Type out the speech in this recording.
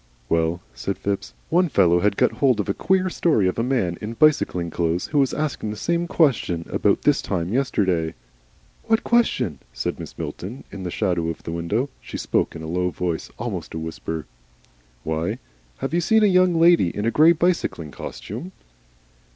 "Well," said Phipps. "One fellow had got hold of a queer story of a man in bicycling clothes, who was asking the same question about this time yesterday." "What question?" said Mrs. Milton, in the shadow of the window. She spoke in a low voice, almost a whisper. "Why Have you seen a young lady in a grey bicycling costume?"